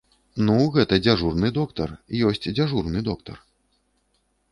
Ну, гэта дзяжурны доктар, ёсць дзяжурны доктар.